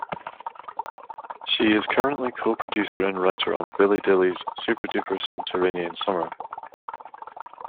She is currently co-producer and writer on "Billy Dilley's Super-Duper Subterranean Summer".